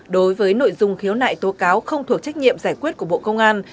đối với nội dung khiếu nại tố cáo không thuộc trách nhiệm giải quyết của bộ công an